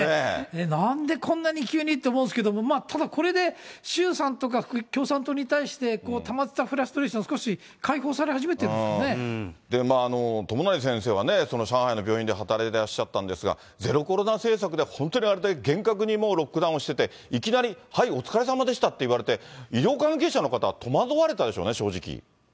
なんでこんなに急にと思うんですけれども、ただこれで、習さんとか共産党に対して、たまってたフラストレーション、友成先生は、その上海の病院で働いてらっしゃったんですが、ゼロコロナ政策で本当にあれで厳格にロックダウンしてて、いきなり、はい、お疲れさまでしたって言われて、医療関係者の方、戸惑われたでし